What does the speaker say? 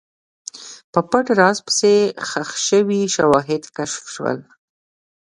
په پټ راز پسې، ښخ شوي شواهد کشف شول.